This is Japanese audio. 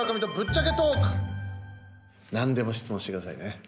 何でも質問してくださいね。